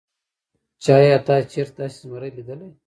چې ايا تا چرته داسې زمرے ليدلے